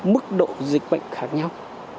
mức độ dịch bệnh khác nhau